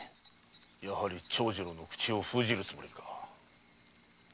やはり長次郎の口を封じるつもりか。